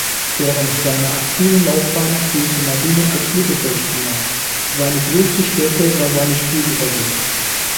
Während seiner aktiven Laufbahn spielte Marini als Mittelfeldspieler, seine größte Stärke war seine Spielübersicht.